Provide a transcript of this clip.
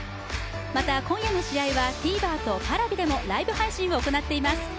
また、今夜の試合はＴｖｅｒとＰａｒａｖｉでもライブ配信を行っています。